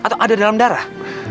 atau ada dalam darah